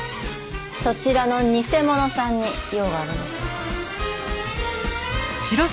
そちらの偽者さんに用があるんです。